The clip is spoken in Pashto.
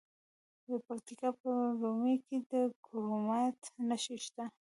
د پکتیکا په ورممی کې د کرومایټ نښې شته.